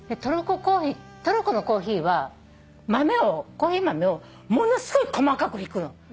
トルコのコーヒーはコーヒー豆をものすごい細かくひくの。